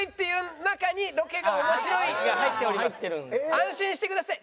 安心してください。